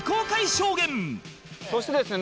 そしてですね